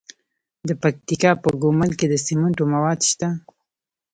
د پکتیکا په ګومل کې د سمنټو مواد شته.